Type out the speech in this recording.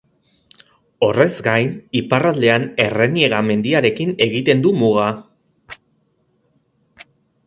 Horrez gain, iparraldean Erreniega mendiarekin egiten du muga.